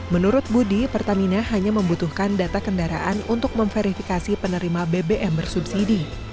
menurut budi pertamina hanya membutuhkan data kendaraan untuk memverifikasi penerima bbm bersubsidi